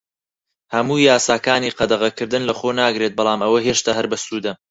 هەموو یاساکانی قەدەغەکردن لەخۆ ناگرێت، بەڵام ئەوە هێشتا هەر بەسوودە.